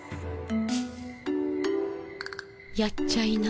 やっちゃいな。